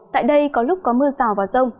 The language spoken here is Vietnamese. tại đây có lúc có mưa rào và rông